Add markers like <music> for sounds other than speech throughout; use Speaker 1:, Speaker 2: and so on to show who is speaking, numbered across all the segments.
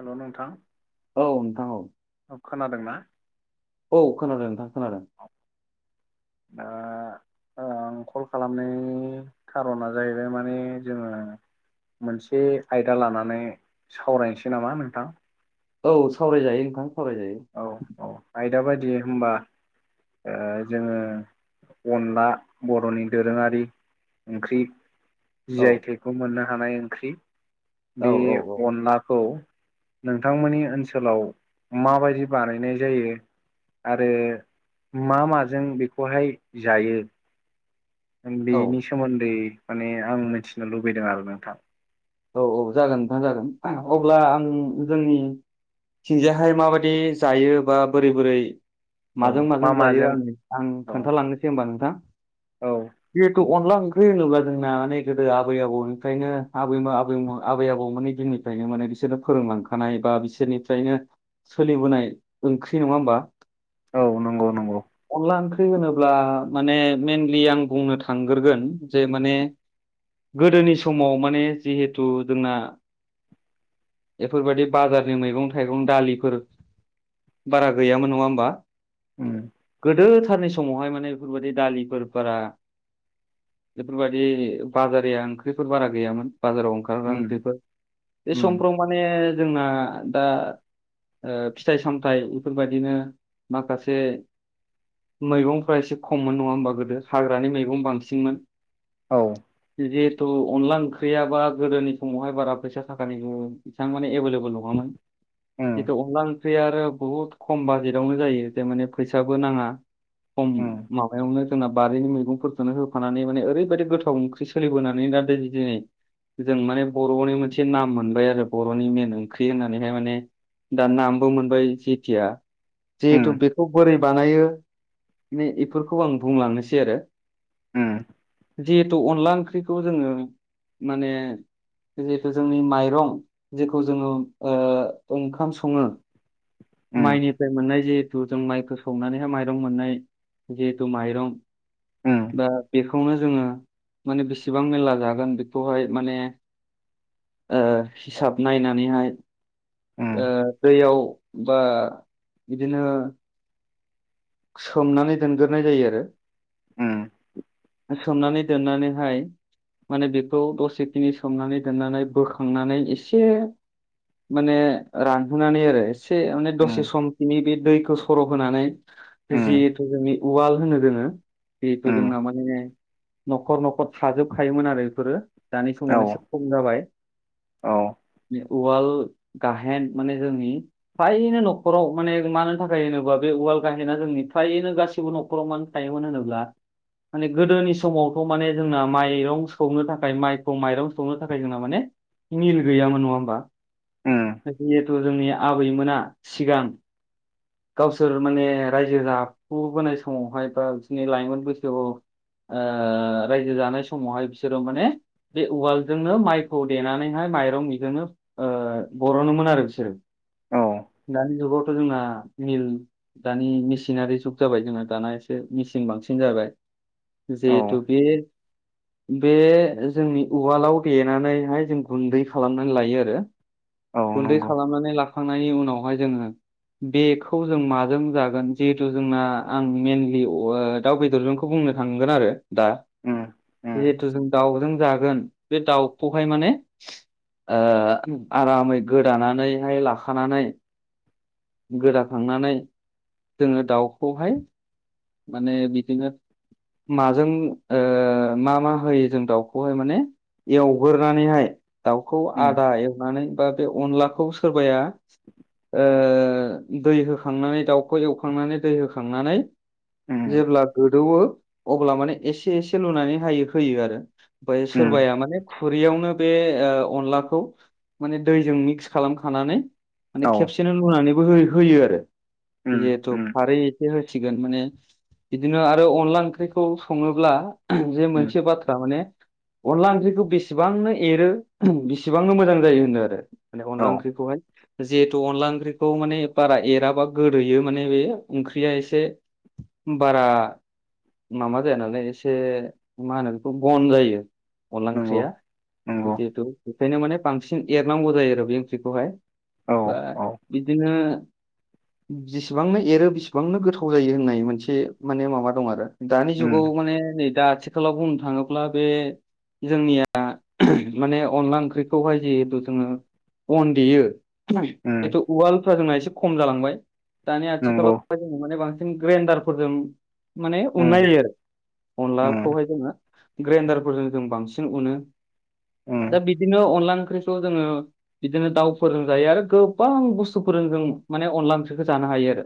Speaker 1: Hello नोंथां
Speaker 2: औ नोंथां औ
Speaker 1: खोनादोंना
Speaker 2: औ खोनादों नोंथां खोनादों
Speaker 1: ओ आं कल खालामनायनि खार'ना जाहैबाय माने जोंङो मोनसे आयदा लानानै सावरायनोसै नामा नोंथां
Speaker 2: औ सावरायजायो नोंथां सावरायजायो
Speaker 1: दे होनबा जोंङो अनला बर'नि दोरोंङारि ओंख्रि जि
Speaker 2: औ
Speaker 1: आइ थाइखौ मोननो हानाय ओंख्रि
Speaker 2: औ
Speaker 1: बे
Speaker 2: औ
Speaker 1: अनलाखौ नोंथांमोननि ओनसोलाव माबायदि बानायनाय जायो। आरो मा माजों बेखौहाय जायो।
Speaker 2: औ
Speaker 1: बेनि सोमोन्दै माने आं मिथिनो लुबैदों आरो नोंथां
Speaker 2: औ - औ जागोन नोंथां जागोन अब्ला आं जोंनि थिंजायाहाय माबायदि जायो बा बोरै बोरै
Speaker 1: औ
Speaker 2: माजों
Speaker 1: मा
Speaker 2: माजों जायो आं आं
Speaker 1: औ
Speaker 2: खोन्थालांनोसै होमबा नोंथां
Speaker 1: औ
Speaker 2: जिहेथु अनला ओंख्रि होनोब्ला जोंना गोदो आबै आबौनिफ्रायनो आबै <unintelligible> आबै आबौमोननि दिननिफ्रायनो माने बिसोरनो फोरोंलांखानाय बा बिसोरनिफ्रायनो सोलिबोनाय ओंख्रि नंङा होमबा
Speaker 1: औ नंगौ नंगौ
Speaker 2: अनला ओंख्रि होनोब्ला माने मेनलि आं बुंनो थांग्रोगोन जे माने गोदोनि समाव माने जिहेथु जोंना बेफोरबायदि बाजारनि मैगं थाइगं दालिफोर बारा गैयामोन नंङा होमबा
Speaker 1: उम
Speaker 2: गोदो सारनि समावहाय माने बेफोरबायाददि दालिफोरफोरा बेफोरबायदि बाजारया ओंख्रिफोर बारा गैयामोन बाजाराव ओंखारनानै
Speaker 1: उम
Speaker 2: बेफोर बे
Speaker 1: उम
Speaker 2: समफ्राव माने जोंना दा फिथाइ सामथाइ बेफोरबायदिनो माखासे मैगंफ्रा एसे खममोन नंङा होमबा गोदो हाग्रानि मैगं बांसिनमोन
Speaker 1: औ
Speaker 2: जेथु अनला ओंख्रि गैयाबा गोदोनि समावहाय बारा फैसा थाखानि बिथांबां माने एभेलेबल नंङामोन
Speaker 1: उम
Speaker 2: जेथु अनलान ओंख्रि आरो बहुद खम बाजेटावनो जायो थारमाने फैसाबो नांङा खम
Speaker 1: उम
Speaker 2: माबायावनो जोंना बारिनि मैगंफोरखोनो होफानानै माने ओरैबायदि गोथाव ओंख्रि सोलिबोनानै दा दोनै दिनै जों माने बर'नि मोनसे नाम मोनबाय आरो बर'नि मेन ओंख्रि होननानैहाय माने दा नामबो मोनबाय जेथिया जिहेथु
Speaker 1: उम
Speaker 2: बेखौ बोरै बानायो बिनो इफोरखौ आं बुंलांनोसै आरो
Speaker 1: उम
Speaker 2: जिहेथु अनला ओंख्रिखौ जोङो माने जिहेथु जोंनि माइरं जेखौ जोङो ओ ओंखाम सङो
Speaker 1: उम
Speaker 2: माइनिफ्राय मोननाय जिहेथु जों माइखौ सौनानैहाय माइरं मोननाय जिहेथु माइरं
Speaker 1: उम
Speaker 2: दा बेखौनो जोङो माने बेसेबां मेलला जागोन बेखौहाय माने ओ हिसाब नायनानैहाय ओ
Speaker 1: उम
Speaker 2: दैयाव बा बिदिनो सोमनानै दोनगोरनाय जायो आरो
Speaker 1: उम
Speaker 2: सोमनानै दोननानैहाय माने बेखौ दसेखिनि सोमनानै दोननानै बोखांनानै एसे माने रानहोननानै आरो एसे माने
Speaker 1: उम
Speaker 2: दसे समखिनि बे दैखौ सर' होनानै
Speaker 1: उम
Speaker 2: जिहेथु जोंनि उवाल होनो जोङो जिहेथु
Speaker 1: उम
Speaker 2: जोंना माने न'खर न'खर थाजोबखायोमोन आरो बेफोरो दानि
Speaker 1: औ
Speaker 2: समाव एसे खम जाबाय
Speaker 1: औ
Speaker 2: उवाल गाहेन माने जोंनि फायनो न'खराव माने मानो थाखाय होनोबा बे उवाल गाहेना जोंनि फ्रायैनो गासिबो न'खराव मानो थायोमोन होनोब्ला माने गोदोनि समावथ' माने जोंना माइरं सौनो थाखाय माइखौ माइरं सौनो थाखाय जोंना माने। मिल गैयामोन नङा होमबा?
Speaker 1: उम
Speaker 2: जिहेथु जोंनि आबैमोना सिगां। गावसोर माने रायजो जफुबोनाय समावहाय बा बिदिनि लाइमोन बैसोआव ओ रायजो जानाय समावहाय बिसोरो माने बे उवालजोंनो माइखौ देनानैहाय माइरं बिजोंनो ओ बरनोमोन आरो बिसोरो।
Speaker 1: औ
Speaker 2: दानि जुगावथ' जोंना मिल दानि मेसिनारि जुग जाबाय जोंना दाना एसे मेचिन बांसिन जाबाय
Speaker 1: औ
Speaker 2: जेहेतु' बे बे जोंनि उवालाव देनानैहाय जों गुन्दै खालामनानै लायो आरो।
Speaker 1: औ
Speaker 2: गुन्दै
Speaker 1: नंगौ
Speaker 2: खालामनानै लाखांनायनि उनावहाय जोङो बेखौ खौ जों माजों जागोन जिहेथु जोंना आं मेनलि अ ओ दाउ बेदरजोंखौ बुंनो थांगोन आरो। दा
Speaker 1: उम उम
Speaker 2: जिहेथु जों दाउजों जागोन बे दाउखौहाय माने ओ आरामै गोदानानैहाय लाखानानै गोदाखांनानै जोङो दाउखौहाय माने बिदिनो माजों ओ मा मा होयो जों दाउखौहाय माने एवगोरनानैहाय दाउखौ
Speaker 1: उम
Speaker 2: आदा एवनानै बा बे अनलाखौ सोरबाया ओ ओ दै होखांनानै दाउखौ एवखांनानै दै होखांनानै
Speaker 1: उम
Speaker 2: जेब्ला गोदौवो। अब्ला माने एसे एसे लुनानै हायो होयो आरो ओमफ्राय
Speaker 1: उम
Speaker 2: सोरबाया माने खुरैयावनो। बे ओ अनलाखौ माने दैजों मिक्स खालामखानानै मान
Speaker 1: औ
Speaker 2: खेबसेनो लुनानै। बो हो होयो आरो
Speaker 1: उम
Speaker 2: जिहेथु
Speaker 1: उम
Speaker 2: खारै एसे होसिगोन माने बिदिनो आरो अनला ओंख्रैखौ सङोब्ला जे
Speaker 1: उम
Speaker 2: मोनसे बाथ्रा माने। अनला ओंख्रिखौ बेसेबांनो एरो बेसेबांनो मोजां जायो होनो आरो। माने अनला
Speaker 1: औ
Speaker 2: ओंख्रिखौहाय जिहेतु अनला ओंख्रि। खौ माने बारा एराबा गोदोयो माने बे ओंख्रिया एसे। बारा माबा जाया नालाय एसे मा होनो बेखौ बन जायो। अनला
Speaker 1: नंगौ
Speaker 2: ओंख्रिया
Speaker 1: नंगौ
Speaker 2: जिहेथु बेखायनो माने बांसिन एरनांगौ जायो आरो बे ओंख्रिखौहाय।
Speaker 1: औ
Speaker 2: बा
Speaker 1: औ
Speaker 2: बिदिनो <unintelligible> जेसेबांनो एरो बेसेबांनो गोथाव जायो होननाय मोनसे माने माबा दं आरो। दानि जुगाव
Speaker 1: उम
Speaker 2: माने नै दा आथिखालाव बुंनो थाङोब्ला बे जोंनिया माने अनला ओंख्रिखौहाय जिहेथु जोङो। अन देयो
Speaker 1: उम
Speaker 2: जिहेथु उवालफ्रा जोंना एसे खम जालांबाय दानि
Speaker 1: नंगौ
Speaker 2: आथिखालावहाय जोङो माने बांसिन। ग्रेडारफोरजों माने
Speaker 1: उम
Speaker 2: अननाय जायो आरो
Speaker 1: उम
Speaker 2: अनलाखौहाय जोङो ग्रेन्दारफोरजों जों बांसिन उनो दा
Speaker 1: उम
Speaker 2: बिदिनो अनला ओंख्रिखौ जोङो बिदिनो दाउफोरजों जायो आरो गो बां बुस्थुफोर जों माने अनला ओंख्रिखौ जानो हायो आरो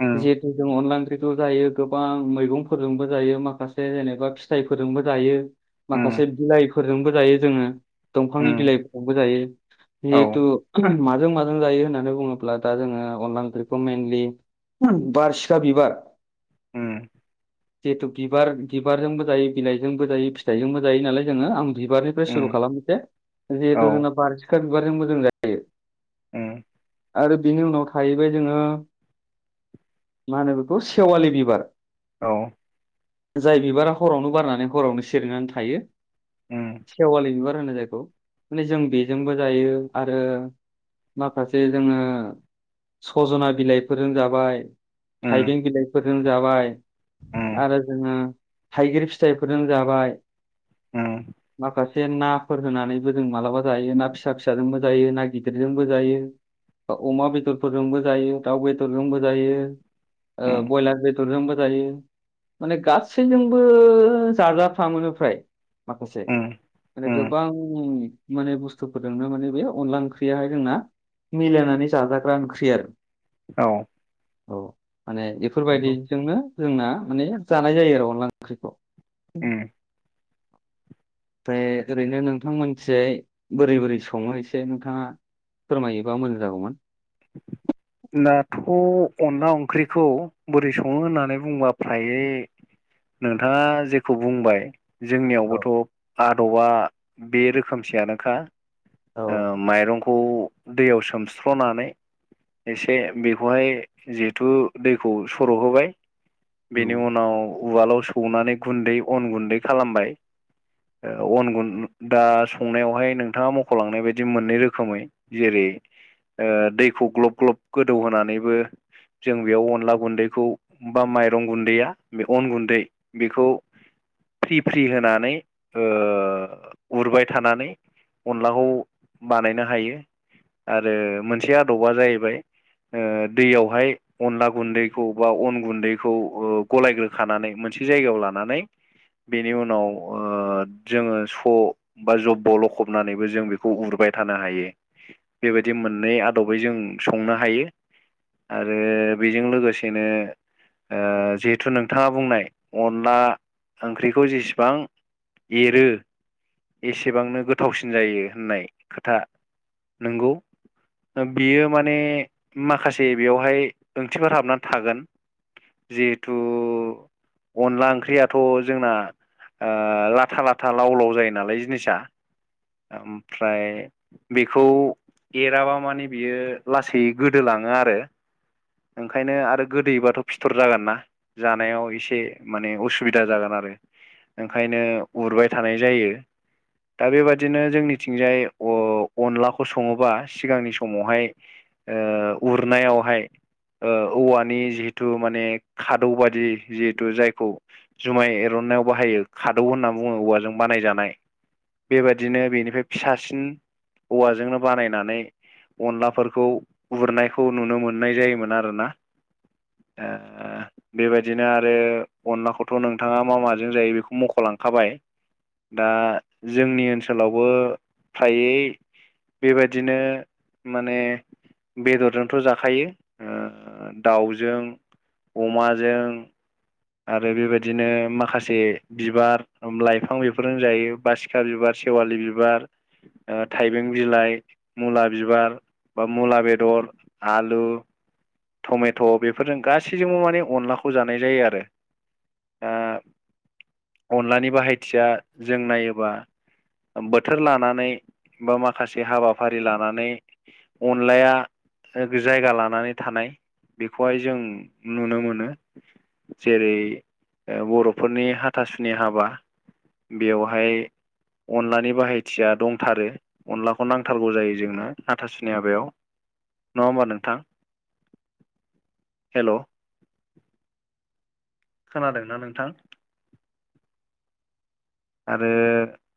Speaker 1: उम
Speaker 2: जिहेथु जों अनला ओं ओंख्रिखौ जायो गोबां मैगंफोरजोंबो जायो माखासे जेनेबा फिथाइफोरजोंबो जायो।
Speaker 1: उम
Speaker 2: माखासे बिलाइफोरजोंबो जायो जोङो दंफांनि
Speaker 1: उम
Speaker 2: बिलाइफोरजोंबो जायो।
Speaker 1: औ
Speaker 2: जिहेथु माजों मा जों जायो होननानै बुङोब्ला दा जोङो अनला ओंख्रिखौ मइेनलि बारसिखा बिबार।
Speaker 1: हुम।
Speaker 2: जिहेथु बिबार बिबारजोंबो जायो बिलाइजोंबो जायो फिथाइजोंबो जायो नालाय जोङो आं बिबारनिफ्राय सुरु
Speaker 1: उम
Speaker 2: खालाम खालामनोसै मोनसे
Speaker 1: औ
Speaker 2: जिहेतु जोंना बार सिखा बिबारजोंबो जों जायो।
Speaker 1: उम
Speaker 2: आरो बिनि उनाव थाहैबाय जोङो। मा होनो बेखौ सेवालि बिबार
Speaker 1: औ
Speaker 2: जाय बिबारा हरावनो बारनानै हरावनो सेरनानै थायो।
Speaker 1: उम
Speaker 2: सेवालि बिबार होनो जायखौ माने जों बेजोंबो जायो आरो माखासे जोङो सजना बिलाइफोरजों जाबाय
Speaker 1: उम उम
Speaker 2: थाइबें बिलाइफोरजों जाबाय
Speaker 1: उम
Speaker 2: आरो जोङो थाइगिर फिथाइफोरजों जाबाय
Speaker 1: उम
Speaker 2: माखासे नाफोर होनानैबो जों मालाबा जायो ना फिसा फिसाजोंबो जायो ना गिदिरजोंबो जायो अमा बेदरफोरजोंबो जायो दाउ बेदरजोंबो जायो ओ
Speaker 1: उम
Speaker 2: बयलार बेदरजोंबो जायो माने गासैजोंबो जाफ्रामोनो फ्राय माखासे
Speaker 1: उम
Speaker 2: माने
Speaker 1: उम
Speaker 2: गोबां माने बुस्थुफोरजोंनो माने बे अनला ओंख्रियाहाय जोंना मिलायनानै जाजाग्रा ओंख्रि आरो
Speaker 1: औ
Speaker 2: औ माने
Speaker 1: नंगौ
Speaker 2: बेफोरबायदिजोंनो जोंना माने जानाय जायो आरो अनला ओंख्रिखौ
Speaker 1: उम <inaudible>
Speaker 2: ओमफ्राय ओरैनो नोंथां मानसियै बोरै बोरै सङो एसे नोंथाङा फोरमायोबा मोजां जागौमोन।
Speaker 1: <inaudible> दाथ' अनला ओंख्रिखौ बोरै सङो होननानै बुंबा फ्रायै नोंथाङा जेखौ बुंबाय
Speaker 2: औ
Speaker 1: जोंनियावबोथ' आदबा बे रोखोमसेयानोखा
Speaker 2: औ
Speaker 1: माइरंखौ दैयाव सोमस्र'नानै एसे बेखौहाय जिहेथु दैखौ सर'होबाय बेनि
Speaker 2: औ
Speaker 1: उनाव उवालाव सौनानै गुन्दै अन गुन्दै खालामबाय अन गुन दा संनायावहाय नोंथाङा मख'लांनाय बायदि मोननै रोखोमै जेरै दैखौ ग्लब ग्लब गोदौ होनानैबो जों बेयाव अनला गुन्दैखौ बा माइरं गुन्दैया बे अन गुन्दै बेखौ फ्रि फ्रि होनानै उरबाय थानानै अनलाखौ बानायनो हायो आरो मोनसे आदबा जाहैबाय दैयावहाय अनला गुन्दैखौ बा अन गुन्दैखौ गलायग्रोखानानै मोन मोनसे जायगायाव लानानै बेनि उनाव जोङो स' बा जबब' लखबनानैबो जों बेखौ उरबाय थानो हायो बेबायदि मोननै आदबै जों संनो हायो आरो बेजों लोगोसेनो जिहेथु नोंथाङा बुंनाय अनला ओंख्रिखौ जेसेबां एरो एसेबांनो गोथावसिन जायो होननाय खोथा नोंगौ बियो माने माखासे बेवहाय ओंथिफोर हाबनानै थागोन जिहेथु अनला ओंख्रियाथ' जोंना लाथा लाथा लाव लाव जायो नालाय जिनिसा ओमफ्राय बेखौ एराबा माने बियो लासै गोदोलाङो आरो ओंखायनो आरो गोदोयोबाथ' फिथर जागोन ना जानायाव एसे माने उसुबिदा जागोन आरो ओंखायनो उरबाय थानाय जायो दा बेबादिनो जोंनिथिंजाय अनलाखौ सङोबा सिगांनि समावहाय उरनायावहाय औवानि जिहेतु माने खादौ बादि जिहेतु जायखौ जुमाय एर ननायाव बाहायो खादौ होनना बुङो औवाजों बानायजानाय बेबादिनो बेनिफ्राय फिसासिन औवाजोंनो बानायनानै अनलाफोरखौ उरनायखौ नुनो मोननाय जायोमोन आरोना बेबायदिनो आरो अनलाखौथ' नोंथाङा मा माजों जायो बेखौ मख'लां खाबाय दा जोंनि ओनसोलावबो फ्रायै बेबायदिनो माने बेदरजोंथ' जाखायो दाउजों अमाजों आरो बेबायदिनो माखासे बिबार लाइफां बेफोरजों जायो बासिखा बिबार सेवालि बिबार थाइबें बिलाइ मुला बिबार बा मुला बेदर आलु टमेट' बेफोरजों गासैजोंबो माने अनलाखौ जानाय जायो आरो अनलानि बाहायथिया जों नायोबा बोथोर लानानै बा माखासे हाबाफारि लानानै अनलाया जायगा लानानै थानाय बेखौहाय जों नुनो मोनो जेरै बर'फोरनि हाथासुनि हाबा बेवहाय अनलानि बाहायथिया दंथारो अनलाखौ नांथारगौ जायो जोंनो हाथासुनि हाबायाव नङा होमबा नोंथां हेल' खोनादोंना नोंथां? आरो